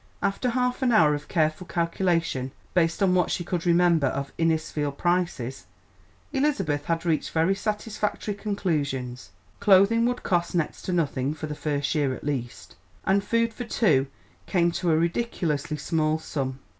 After half an hour of careful calculation, based on what she could remember of Innisfield prices, Elizabeth had reached very satisfactory conclusions. Clothing would cost next to nothing for the first year, at least, and food for two came to a ridiculously small sum.